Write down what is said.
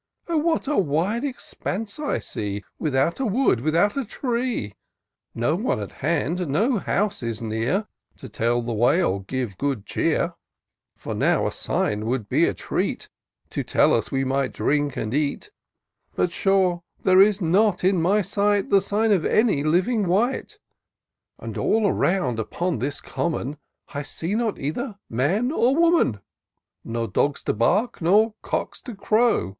Oh ! what a wide expanse I see, Without a wood, without a tree ! No one at hand, no house is near. To tell the way, or give good cheer ; For now a sign would be a treat, To tell us we might drink and eat ; But sure there is not in my sight The sign of any living wight ; And all around upon this common I see not either man or woman ; Nor dogs to bark, nor cocks to crow.